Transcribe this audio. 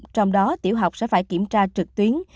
trong đó tiểu học sẽ phải kiểm tra trực tuyến